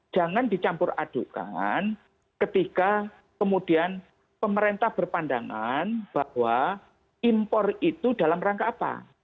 jangan dicampur adukan ketika kemudian pemerintah berpandangan bahwa impor itu dalam rangka apa